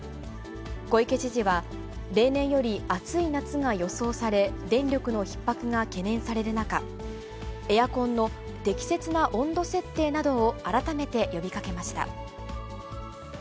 小池知事は、例年より暑い夏が予想され、電力のひっ迫が懸念される中、エアコンの適切な温度設定などを改めて呼びかけました。